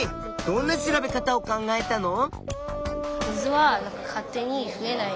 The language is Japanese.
どんな調べ方を考えたの？